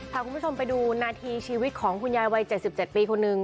พาคุณผู้ชมไปดูนาทีชีวิตของคุณยายวัย๗๗ปีคนหนึ่ง